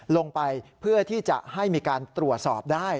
เพื่อที่จะให้มีการตรวจสอบได้